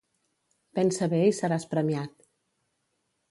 Pensa bé i seràs premiat.